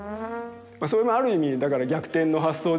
それもある意味だから逆転の発想ですよね。